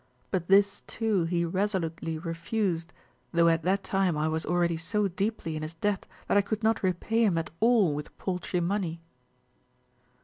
But this, too, he resolutely refused, though at that time I was already so deeply in his debt that I could not repay him at all with paltry money."